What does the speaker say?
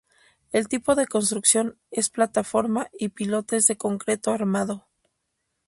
El tipo de construcción es plataforma y pilotes de concreto armado.